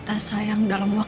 tapi kalau anda berdua